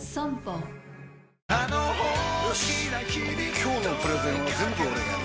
今日のプレゼンは全部俺がやる！